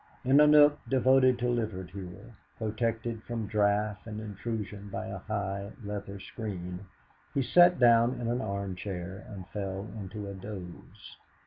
In a nook devoted to literature, protected from draught and intrusion by a high leather screen, he sat down in an armchair and fell into a doze.